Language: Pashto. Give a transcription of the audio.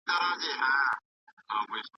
د پرمختګ په لاره کې هېڅکله مه خنډ کېږئ.